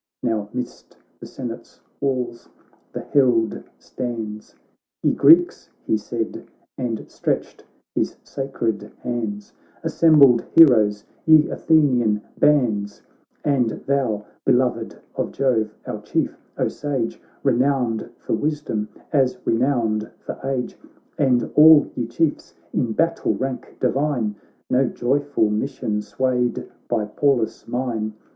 Now midst the Senate's walls the herald stands :' Ye Greeks,' he said, and stretched his sacred hands, 'Assembled heroes, ye Athenian bands, And thou, beloved of Jove, our Chief, O Sage, Renowned for wisdom, as renowned for age, And all ye Chiefs in battle rank divine ! No joyful mission swayed by Pallas mine.